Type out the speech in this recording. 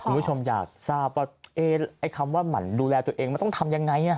คุณผู้ชมอยากทราบว่าไอ้คำว่าหมั่นดูแลตัวเองมันต้องทำยังไง